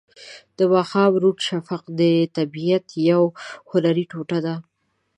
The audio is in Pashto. د ماښام روڼ شفق د طبیعت یوه هنري ټوټه ده.